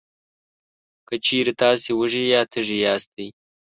که چېرې تاسې وږي یا تږي یاستی،